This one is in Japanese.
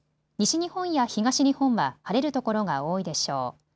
西日本や東日本は晴れる所が多いでしょう。